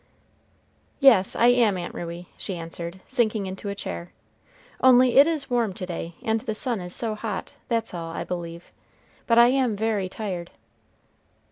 "Yes, I am, Aunt Ruey," she answered, sinking into a chair; "only it is warm to day, and the sun is so hot, that's all, I believe; but I am very tired."